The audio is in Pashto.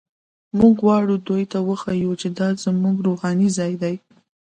موږ غواړو دوی ته وښیو چې دا زموږ روحاني ځای دی.